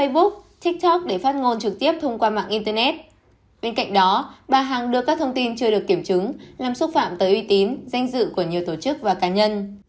vì đó bà hằng đưa các thông tin chưa được kiểm chứng làm xúc phạm tới uy tín danh dự của nhiều tổ chức và cá nhân